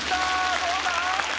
どうだ！？